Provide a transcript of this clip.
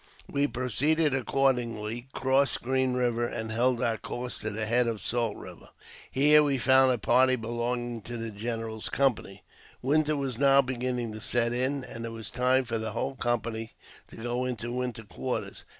We proceeded accordingly — crossed Green Eiver, and held our course to the head of Salt Eiver. Here we found a party belonging to the general's company. Winter was now begin ning to set in, and it was time for the whole company to go into winter quarters.